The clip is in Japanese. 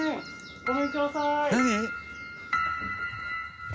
ごめんくださーい。